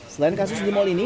selain kasus di mal ini